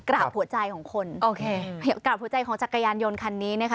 กราบหัวใจของคนโอเคกราบหัวใจของจักรยานยนต์คันนี้นะคะ